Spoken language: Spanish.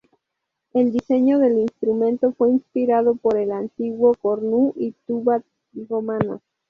El diseño del instrumento fue inspirado por el antiguo cornu y tuba romanos.